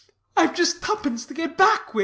I've just tuppence to get back with.